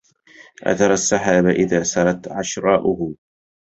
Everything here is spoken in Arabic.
أترى السحاب إذا سرت عشراؤه